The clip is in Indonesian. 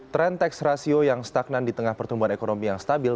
tren tax ratio yang stagnan di tengah pertumbuhan ekonomi yang stabil